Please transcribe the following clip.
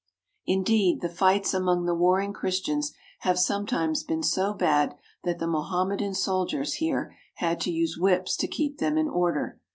Indeed, the fights among the warring Christians have sometimes been so bad that the Mohammedan soldiers here had to use whips to keep them in order.